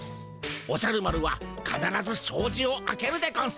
おじゃる丸はかならずしょうじを開けるでゴンス。